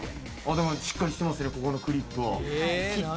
でも、しっかりしてますね、ここのクリップは。